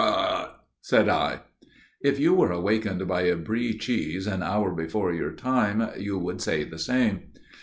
," said I. If you were awakened by a Brie cheese, an hour before your time, you would say the same.